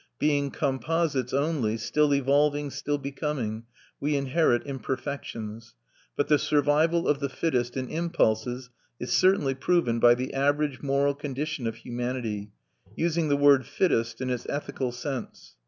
Being composites only, still evolving, still becoming, we inherit imperfections. But the survival of the fittest in impulses is certainly proven by the average moral condition of humanity, using the word "fittest" in its ethical sense.